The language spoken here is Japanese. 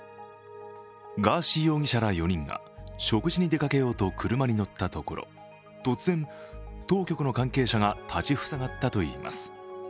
ガーシー容疑者ら４人が食事に出かけようと車に乗ったところ突然、当局の関係者が立ちふさがったといいます。